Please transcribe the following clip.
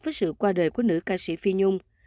với sự qua đời của nữ ca sĩ phi nhung